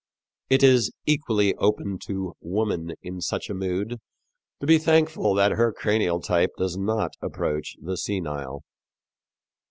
It is equally open to woman in such a mood to be thankful that her cranial type does not approach the senile."